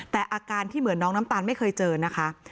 แต่อาการที่เหมือนน้องน้ำตาลไม่เคยเจอนะคะ